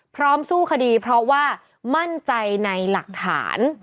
สู้คดีเพราะว่ามั่นใจในหลักฐาน